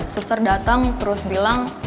suster datang terus bilang